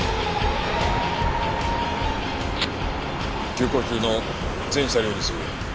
急行中の全車両に告ぐ。